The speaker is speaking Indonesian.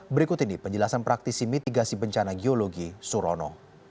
berikut ini penjelasan praktisi mitigasi bencana geologi surono